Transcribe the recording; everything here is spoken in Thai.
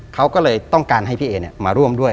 เขาก็เลยต้องการให้พี่เอมาร่วมด้วย